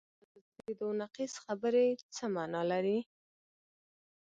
دا ضد و نقیض خبرې څه معنی لري؟